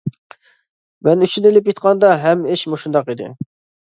مەن ئۈچۈن ئېلىپ ئېيتقاندا، ھەممە ئىش مۇشۇنداق ئىدى.